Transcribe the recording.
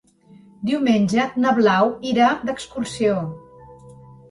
Diumenge na Blau irà d'excursió.